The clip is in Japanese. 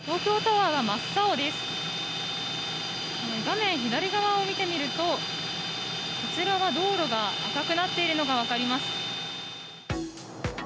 画面左側を見てみると道路が赤くなっているのが分かります。